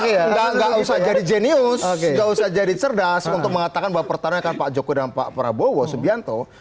enggak usah jadi jenius enggak usah jadi cerdas untuk mengatakan bahwa pertarungannya pak joko dan pak prabowo subianto